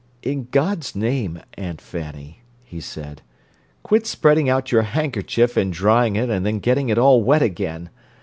"In God's name, Aunt Fanny," he said, "quit spreading out your handkerchief and drying it and then getting it all wet again!